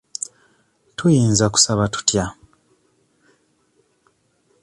Tuyinza kusaba tutya?